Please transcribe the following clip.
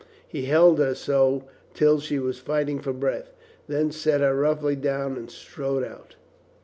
He held her so till she was fighting for breath, then set her roughly down and strode out.